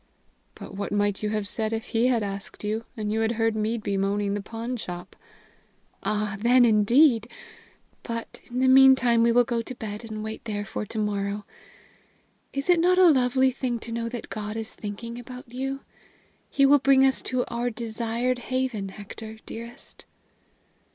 "But what might you have said if he had asked you, and you had heard me bemoaning the pawnshop?" "Ah, then, indeed! But, in the meantime, we will go to bed and wait there for to morrow. Is it not a lovely thing to know that God is thinking about you? He will bring us to our desired haven, Hector, dearest!"